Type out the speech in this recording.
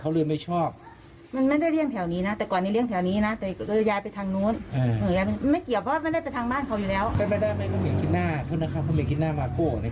เค้าขิวออกง่ายนะเออบ้านเท่าสุดเอิญมาขิวอ่ะน่ะ